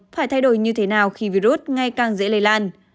phải thay đổi như thế nào khi virus ngay càng dễ lây lan